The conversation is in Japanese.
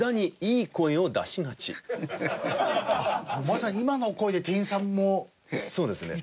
まさに今の声で店員さんも言っちゃうんですか？